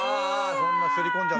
そんな擦り込んじゃって。